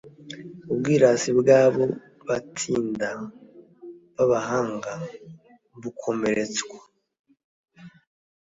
Ubwirasi bw'abo Baytida b'abahanga bukomeretswa